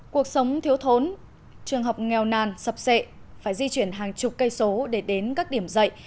cuộc sống thiếu thốn trường học nghèo nàn sập sệ phải di chuyển hàng chục cây số để đến các điểm dạy